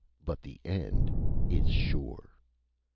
But the end is sure!